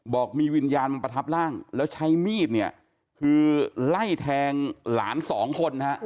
บอกมีวิญญาณมาประทับร่างแล้วใช้มีดเนี่ยคือไล่แทงหลานสองคนนะฮะ